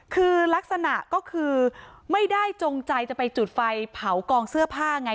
คือลักษณะก็คือไม่ได้จงใจจะไปจุดไฟเผากองเสื้อผ้าไง